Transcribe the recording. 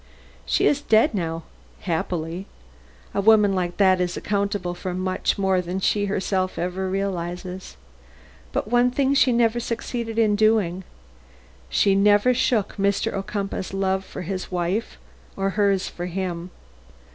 "She is dead now happily. A woman like that is accountable for much more than she herself ever realizes. But one thing she never succeeded in doing: she never shook Mr. Ocumpaugh's love for his wife or hers for him.